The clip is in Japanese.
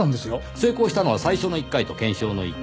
成功したのは最初の１回と検証の１回。